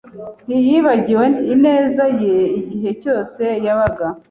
Ntiyibagiwe ineza ye igihe cyose yabaga.